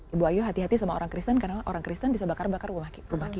ibu ayu hati hati sama orang kristen karena orang kristen bisa bakar bakar